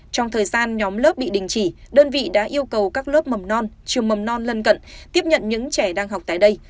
trong thời gian nhóm lớp bị đình chỉ đơn vị đã yêu cầu các lớp mầm non trường mầm non lân cận tiếp nhận những trẻ đang học tại đây